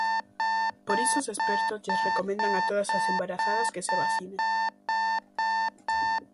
Por iso os expertos lles recomendan a todas as embarazadas que se vacinen.